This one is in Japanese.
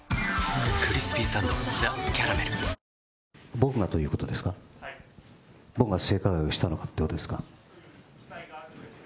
僕がということですか、僕が性加害をしたのかということですか？